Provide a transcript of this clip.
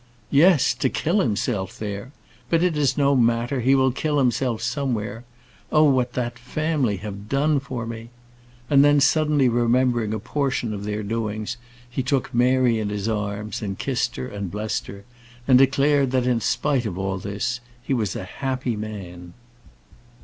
"Yes; to kill himself there! But it is no matter; he will kill himself somewhere. Oh! what that family have done for me!" And then, suddenly remembering a portion of their doings, he took Mary in his arms, and kissed and blessed her; and declared that, in spite of all this, he was a happy man.